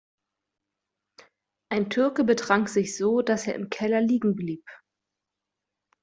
Ein Türke betrank sich so, dass er im Keller liegen blieb.